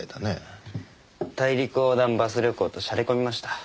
大陸横断バス旅行としゃれ込みました。